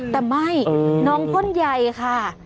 แต่ไม่น้องพ่นใหญ่ค่ะ